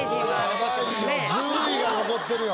ヤバいよ１０位が残ってるよ。